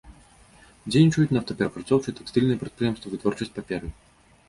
Дзейнічаюць нафтаперапрацоўчыя, тэкстыльныя прадпрыемствы, вытворчасць паперы.